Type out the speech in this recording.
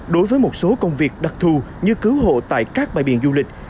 đối với một số công việc đặc thù như cứu hộ tại các bãi biển du lịch